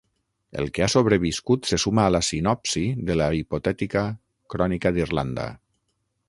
El que ha sobreviscut se suma a la sinopsi de la hipotètica Crònica d'Irlanda.